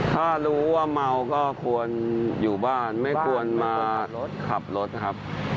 ถ้ารู้ว่าเมาก็ควรอยู่บ้านไม่ควรมาขับรถนะครับ